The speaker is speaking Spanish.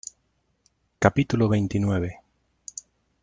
capítulo veintinueve .